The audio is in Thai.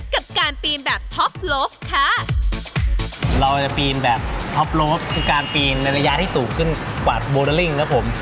กับการปีนแบบท็อปโลฟค่ะเราจะปีนแบบท็อปโลฟคือการปีนในระยะที่สูงขึ้นกว่าโมเดลลิ่งครับผม